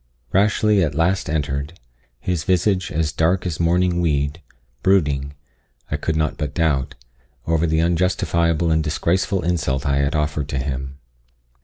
Rashleigh at last entered, his visage as dark as mourning weed brooding, I could not but doubt, over the unjustifiable and disgraceful insult I had offered to him.